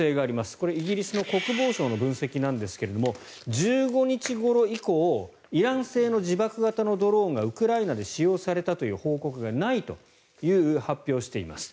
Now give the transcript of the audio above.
これイギリスの国防省の分析ですが１５日ごろ以降イラン製の自爆型のドローンがウクライナで使用されたという報告がないという発表をしています。